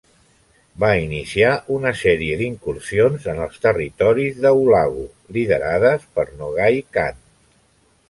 Va iniciar una sèrie d'incursions en els territoris de Hulagu, liderades per Nogai Khan.